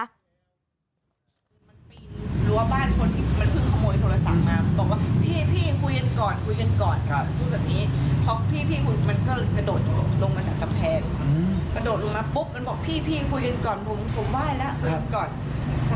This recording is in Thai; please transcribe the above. รั้วบ้านคนที่มันเพิ่งขโมยโทรศัพท์มา